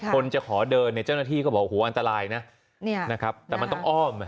คนจะขอเดินเนี่ยเจ้าหน้าที่ก็บอกโอ้โหอันตรายนะนะครับแต่มันต้องอ้อม